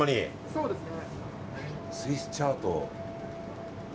そうですね。